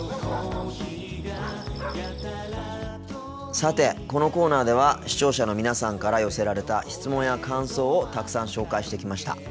さてこのコーナーでは視聴者の皆さんから寄せられた質問や感想をたくさん紹介してきました。